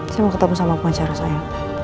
saya mau ketemu sama pengacara saya